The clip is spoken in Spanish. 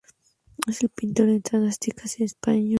Es pintor y tratadista español.